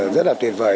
rất tuyệt vời